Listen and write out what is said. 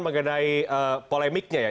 mengenai polemiknya ya